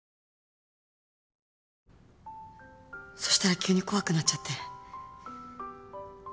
そしたら急に怖くなっちゃって。